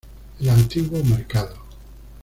El antiguo mercado.